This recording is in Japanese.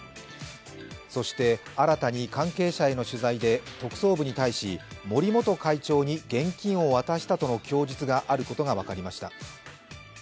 そして新たに関係者への取材で特捜部に対し森元会長に現金を渡したとの供述があることが分かりました。